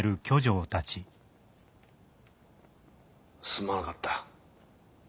すまなかった。